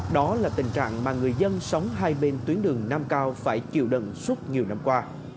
đó là tình trạng mà người dân sống hai bên tuyến đường nam cao phải chiều đần suốt nhiều năm qua